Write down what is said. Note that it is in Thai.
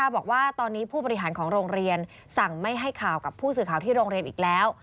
บอกว่าตอนนี้ผู้บริหารของโรงเรียนสั่งไม่ให้ข่าวกับผู้สื่อข่าวที่โรงเรียนอีกแล้ว